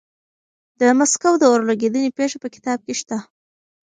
د مسکو د اور لګېدنې پېښه په کتاب کې شته.